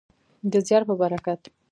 د زیار په برکت.